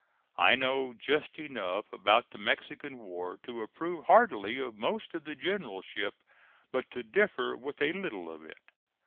I know just enough about the Mexican war to approve heartily of most of the generalship, but to differ with a little of it.